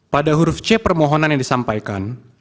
pada huruf c permohonan yang disampaikan